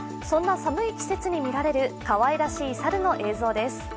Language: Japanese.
そんな寒い季節に見られるかわいらしい猿の映像です。